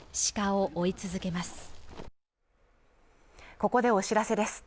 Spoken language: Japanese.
ここでお知らせです